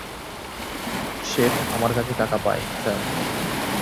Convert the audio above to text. শেঠ আমার কাছে টাকা পায়, স্যার।